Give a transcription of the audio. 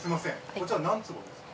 こちら何坪ですか？